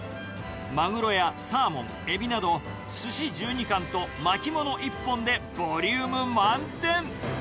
マグロやサーモン、エビなどすし１２貫と巻物１本でボリューム満点。